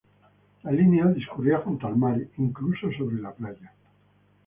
La línea discurría junto al mar, incluso sobre la playa.